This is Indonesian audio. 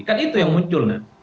kan itu yang muncul